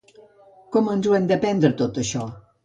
Com ens ho hem de prendre tot això?